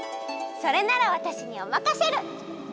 それならわたしにおまかシェル！